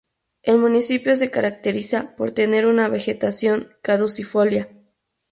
El Municipio se caracteriza por tener una vegetación caducifolia.